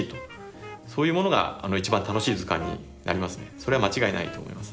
それは間違いないと思います。